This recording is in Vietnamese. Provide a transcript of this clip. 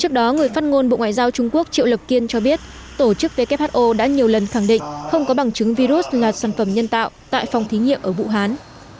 trước đó người phát ngôn bộ ngoại giao trung quốc triệu lập kiên cho biết tổ chức who đã nhiều lần khẳng định không có bằng chứng virus là sản phẩm nhân tạo tại phòng thí nghiệm ở vũ hán